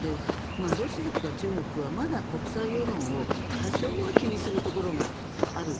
ロシアとか中国はまだ国際世論を多少は気にするところがある。